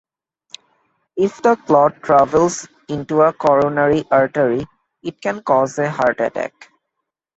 If the clot travels into a coronary artery it can cause a heart attack.